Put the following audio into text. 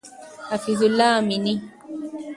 حفیظ الله امینی